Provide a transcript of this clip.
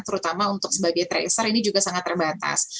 terutama untuk sebagai tracer ini juga sangat terbatas